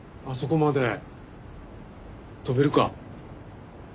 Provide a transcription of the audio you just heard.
あそこまで跳べるか？